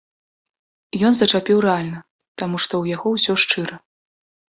Ён зачапіў рэальна, таму што ў яго ўсё шчыра.